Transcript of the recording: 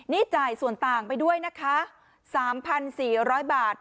นี่จ่ายส่วนต่างไปด้วยนะคะสามพันสี่ร้อยบาท